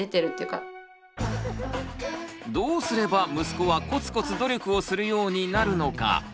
どうすれば息子はコツコツ努力をするようになるのか？